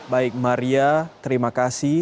baik maria terima kasih